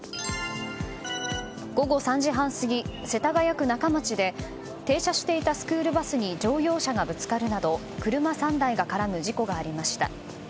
午後３時半過ぎ、世田谷区中町で停車していたスクールバスに乗用車がぶつかるなど車３台が絡む事故がありました。